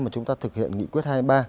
mà chúng ta thực hiện nghị quyết hai mươi ba